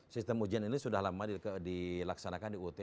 sistem ujian ini sudah lama dilaksanakan di ut